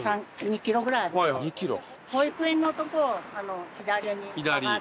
２キロ。